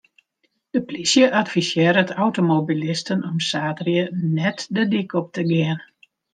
De plysje advisearret automobilisten om saterdei net de dyk op te gean.